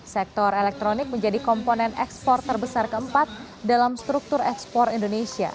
sektor elektronik menjadi komponen ekspor terbesar keempat dalam struktur ekspor indonesia